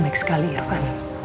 sama sekali irfan